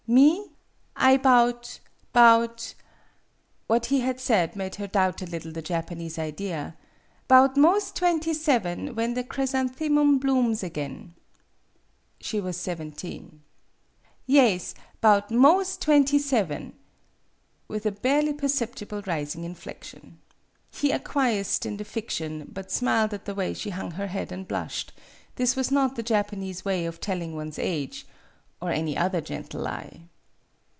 '' Me ? I 'bout 'bout " (what he had said made her doubt a little the Japanese idea) '"bout 'mos' twenty seven when the chrysanthemum blooms again." She was seventeen. "Yaes, 'bout 'mos' twenty seven " with a barely perceptible rising inflection. MADAME BUTTERFLY 53 He acquiesced in the fiction, but smiled at the way she hung her head and blushed; this was not the Japanese way of telling one's age (or any other gentle lie).